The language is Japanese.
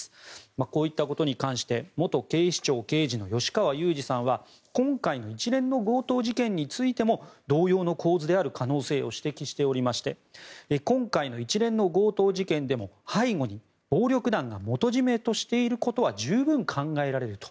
こういったことに関して元警視庁刑事の吉川祐二さんは今回の一連の強盗事件についても同様の構図である可能性を指摘しておりまして今回の一連の強盗事件でも背後に暴力団が元締としていることは十分考えられると。